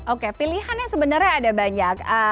oke pilihan yang sebenarnya ada banyak